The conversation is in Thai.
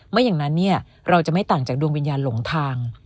ไม่อย่างนั้นเราจะไม่ต่างจากดวงวิญญาณหลงทาง